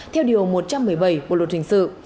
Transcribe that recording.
theo điều một trăm một mươi bảy bộ luật hình sự